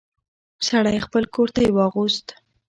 سړی خپل کورتۍ واغوست.